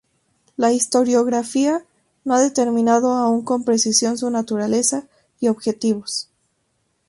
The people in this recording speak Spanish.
La historiografía no ha determinado aún con precisión su naturaleza y objetivos.